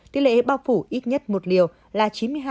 tỷ lệ bao phủ ít nhất một liều là chín mươi hai